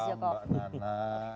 salam mbak nana